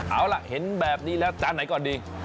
เอาล่ะเห็นแบบนี้แล้วจานไหนก่อนดี